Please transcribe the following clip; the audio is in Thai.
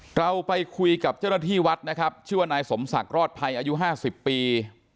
เราไปคุยกับเจ้าหน้าที่วัดนะครับชื่อว่านายสมศักดิ์รอดภัยอายุ๕๐ปี